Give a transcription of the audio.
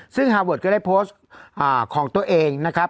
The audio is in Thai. ซึ่งฮาเวิร์ดก็ได้โพสต์ของตัวเองนะครับ